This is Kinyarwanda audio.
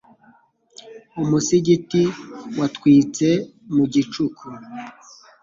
Umusigiti watwitse mu gicuku.